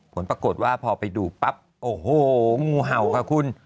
ผลปรากฏว่าพอไปดูปั๊บโอ้โหงูเห่าค่ะคุณ